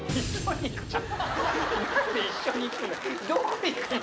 何で一緒に行くんだ。